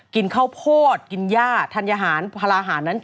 กินข้าวโพดกินย่าธัญหารพลาหารนั้น